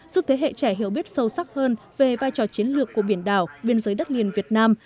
giúp thế hệ trẻ hiểu biết sâu sắc hơn về vai trò chiến lược của biển đảo biên giới đất liền việt nam